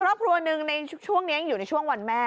ครอบครัวหนึ่งในช่วงนี้ยังอยู่ในช่วงวันแม่